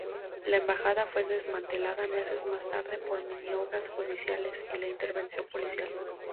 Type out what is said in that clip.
La embajada fue desmantelada meses más tarde por maniobras judiciales y la intervención policial.